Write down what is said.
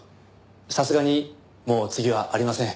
さすがにもう次はありません。